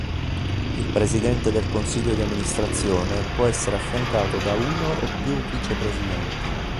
Il presidente del consiglio di amministrazione può essere affiancato da uno o più vicepresidenti.